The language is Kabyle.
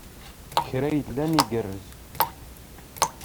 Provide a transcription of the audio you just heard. Kra yellan igerrez.